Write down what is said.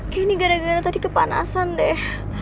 kayak ini gara gara tadi kepanasan deh